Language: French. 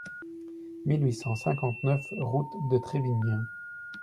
mille huit cent cinquante-neuf route de Trévignin